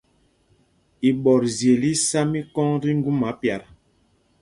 Iɓɔtzyel í ɛsá mikɔŋ tí ŋguma pyat.